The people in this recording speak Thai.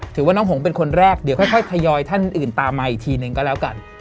น้องหงเป็นคนแรกเดี๋ยวค่อยทยอยท่านอื่นตามมาอีกทีหนึ่งก็แล้วกัน